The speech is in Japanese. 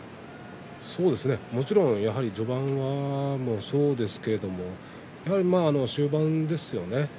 もちろん、序盤もそうですけれども中盤ですよね